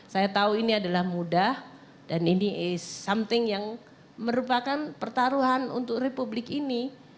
saya tahu ini adalah mudah dan ini is something yang merupakan pertaruhan untuk republik ini